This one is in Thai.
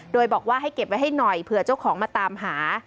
โดยบอกว่าให้เก็บไว้ให้หน่อยเผื่อเจ้าของมาตามหา